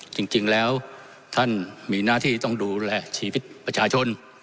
จริงแล้วท่านมีหน้าที่ต้องดูแลชีวิตประชาชน